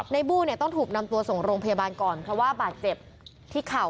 บู้เนี่ยต้องถูกนำตัวส่งโรงพยาบาลก่อนเพราะว่าบาดเจ็บที่เข่า